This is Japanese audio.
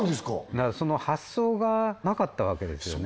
だからその発想がなかったわけですよね